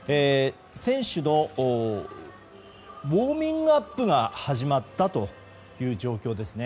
選手のウォーミングアップが始まったという状況ですね。